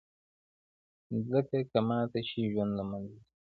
مځکه که ماته شي، ژوند له منځه ځي.